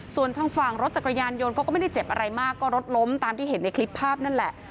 ส่วนทางฝั่งรถจักรยานยนต์เขาก็ไม่ได้เจ็บอะไรมากก็รถล้มตามที่เห็นในคลิปภาพนั่นแหละ